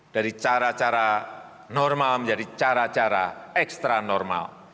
dari cara cara normal menjadi cara cara ekstranormal